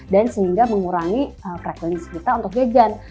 dan sehingga mengurangi frekuensi kita untuk jajan